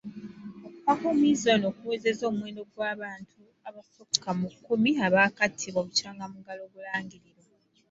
Okufa kw'omuyizi ono, kuwezezza omuwendo gw'abantu abasukka mu kkumi abaakattibwa bukyanga muggalo gulangirirwa.